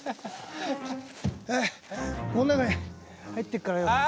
ああこの中に入ってるからよ。